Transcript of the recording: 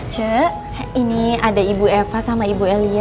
cek ini ada ibu eva sama ibu elia